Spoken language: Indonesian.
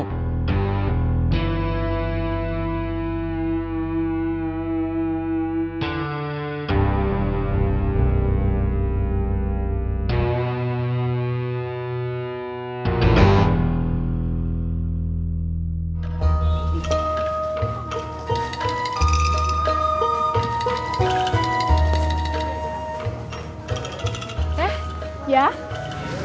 devera seseorang harus menelenergikannya